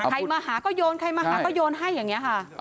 ใครมาหาก็โยนใครมาหาก็โยนให้อย่างนี้ค่ะ